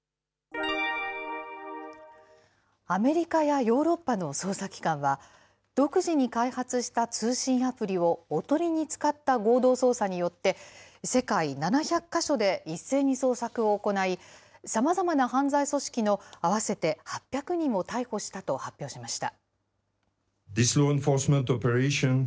アメリカやヨーロッパの捜査機関は、独自に開発した通信アプリをおとりに使った合同捜査によって、世界７００か所で一斉に捜索を行い、さまざまな犯罪組織の合わせて８００人を逮捕したと発表しました。